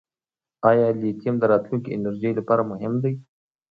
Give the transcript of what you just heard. آیا لیتیم د راتلونکي انرژۍ لپاره مهم دی؟